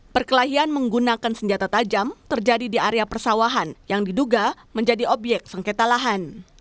perkelahian menggunakan senjata tajam terjadi di area persawahan yang diduga menjadi obyek sengketa lahan